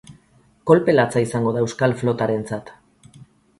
Kolpe latza izango da euskal flotarentzat.